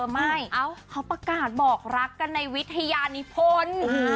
ไม่เขาประกาศบอกรักกันในวิทยานิพล